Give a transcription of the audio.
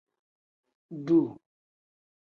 Duu.